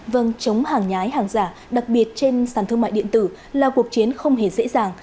vâng chống hàng nhái hàng giả đặc biệt trên sàn thương mại điện tử là cuộc chiến không hề dễ dàng